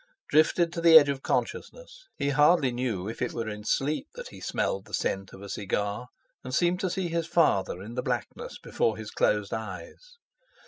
Drifted to the edge of consciousness, he hardly knew if it were in sleep that he smelled the scent of a cigar, and seemed to see his father in the blackness before his closed eyes.